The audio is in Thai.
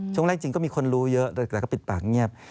ช่วงแรกจริงก็มีคนรู้เยอะแต่ก็ปิดปากเงียบ